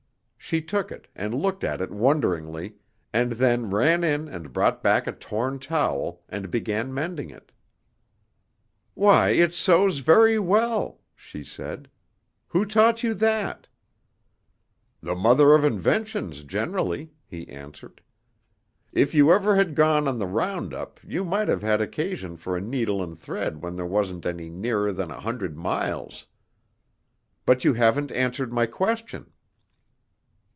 She took it, and looked at it wonderingly, and then ran in and brought back a torn towel, and began mending it. "Why, it sews very well," she said; "who taught you that?" "The mother of inventions generally," he answered. "If you ever had gone on the round up, you might have had occasion for a needle and thread when there wasn't any nearer than a hundred miles. But you haven't answered my question."